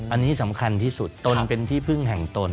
อันนี้สำคัญที่สุดตนเป็นที่พึ่งแห่งตน